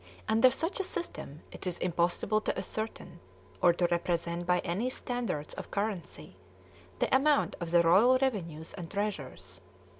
Under such a system, it is impossible to ascertain, or to represent by any standards of currency, the amount of the royal revenues and treasures.